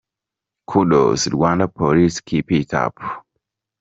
Kudos Rwanda police keep it up.